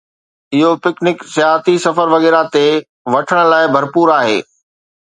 . اهو پکنڪ، سياحتي سفر، وغيره تي وٺڻ لاء ڀرپور آهي.